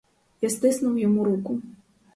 Я стиснув йому руку.